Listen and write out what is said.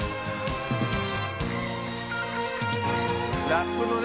ラップのね